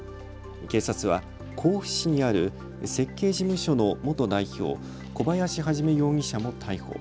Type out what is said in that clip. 警察は甲府市にある設計事務所の元代表、小林一容疑者も逮捕。